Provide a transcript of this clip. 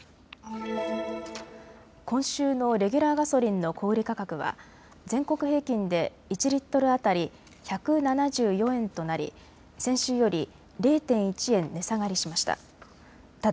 今週のレギュラーガソリンの小売価格は全国平均で１リットル当たり１７４円となり先週より０．１円値下がりしました。